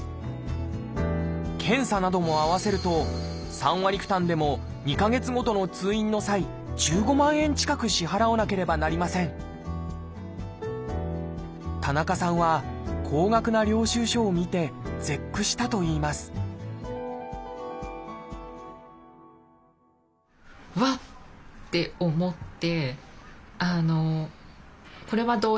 検査なども合わせると３割負担でも２か月ごとの通院の際１５万円近く支払わなければなりません田中さんは高額な領収書を見て絶句したといいますうわっ！って思って。